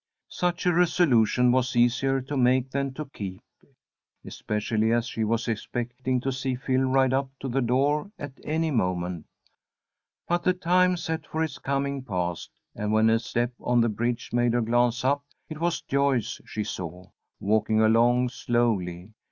Such a resolution was easier to make than to keep, especially as she was expecting to see Phil ride up to the door at any moment. But the time set for his coming passed, and when a step on the bridge made her glance up, it was Joyce she saw, walking along slowly.